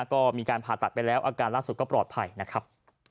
ก็มีการผ่าตัดไปแล้วอาการล่าสุดก็ปลอดภัยนะครับ